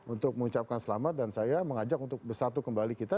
untuk mengucapkan selamat dan saya mengajak untuk bersatu kembali kita